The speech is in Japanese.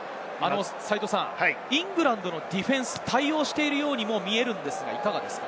イングランドのディフェンス、対応しているように見えるんですが、いかがですか？